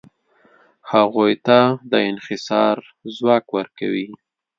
هغوی ته د انحصار ځواک ورکوي.